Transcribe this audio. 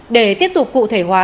để tiếp tục cụ thể hóa